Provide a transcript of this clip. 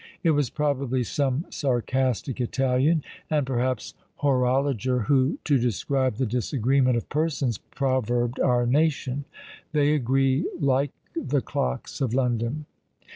It was probably some sarcastic Italian, and, perhaps, horologer, who, to describe the disagreement of persons, proverbed our nation "They agree like the clocks of London!"